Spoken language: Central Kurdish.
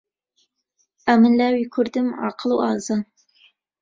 ئەمن لاوی کوردم، عاقڵ و ئازا.